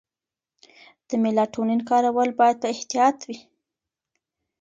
د میلاټونین کارول باید په احتیاط وي.